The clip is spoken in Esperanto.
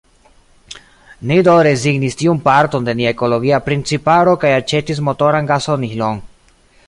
Ni do rezignis tiun parton de nia ekologia principaro kaj aĉetis motoran gazonilon.